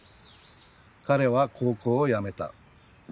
彼は高校を辞めた。